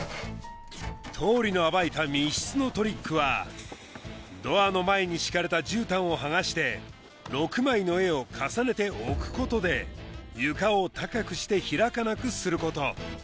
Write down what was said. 倒理の暴いた密室のトリックはドアの前に敷かれたじゅうたんを剥がして６枚の絵を重ねて置く事で床を高くして開かなくする事